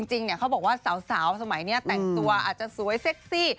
จริงเขาบอกว่าสาวสมัยนี้แต่งตัวอาจจะสวยเซ็กซี่